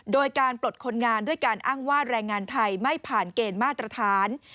โดยการปลดคนงานด้วยการอ้างว่าแรงงานไทยไม่ผ่านเกณฑ์มาตรฐาน